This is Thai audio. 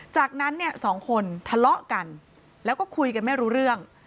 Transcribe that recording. จากนั้นเนี่ยสองคนทะเลาะกันแล้วก็คุยกันไม่รู้เรื่อง